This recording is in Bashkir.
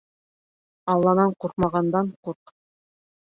Алланан ҡурҡмағандан ҡурҡ.